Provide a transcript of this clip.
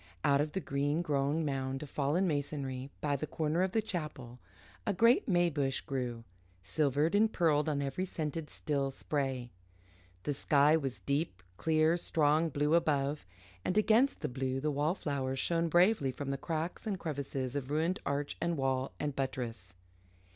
Out of the green grown mound of fallen masonry by the corner of the chapel a great may bush grew, silvered and pearled on every scented, still spray. The sky was deep, clear, strong blue above, and against the blue, the wallflowers shone bravely from the cracks and crevices of ruined arch and wall and buttress.